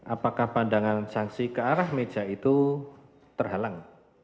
apakah pandangan saksi ke arah meja itu terhalang